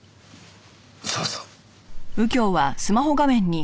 そうそう。